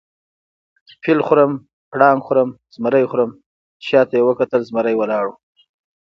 فیل خورم، پړانګ خورم، زمرى خورم . چې شاته یې وکتل زمرى ولاړ وو